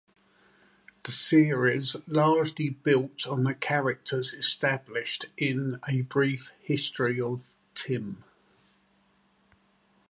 The series largely built on the characters established in "A Brief History of Tim".